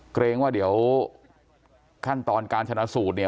เกรงว่าเดี๋ยวขั้นตอนการชนะสูตรเนี่ย